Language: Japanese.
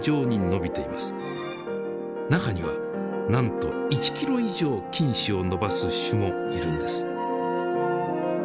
中にはなんと１キロ以上菌糸を伸ばす種もいるんです。